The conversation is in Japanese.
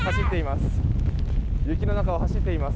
走っています。